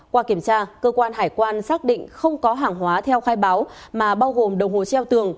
qua kiểm tra cơ quan hải quan xác định không có hàng hóa theo khai báo mà bao gồm đồng hồ treo tường